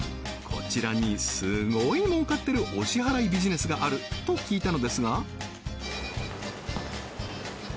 こちらにすごい儲かってるお支払いビジネスがあると聞いたのですが？